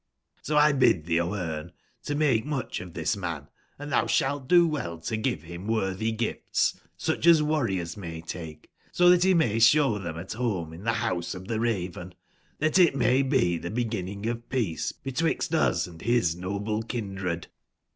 So X bid thee, O Sme, to make much of this man ; and thou shalt do well to give bim worthy gifts, such as warriors may take, so tbat be may sbow them at home in tbe Rouse of tbe Raven, that it may be tbe beginning of peace betwixt us and his noble kin dred.